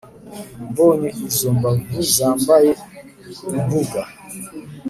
mbonye izo mbavu zambaye imbugu